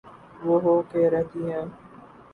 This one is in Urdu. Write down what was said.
وہ ہو کے رہتی ہے۔